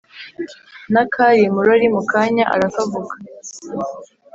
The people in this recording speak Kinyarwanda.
Nakali imurori mukanya arakavuga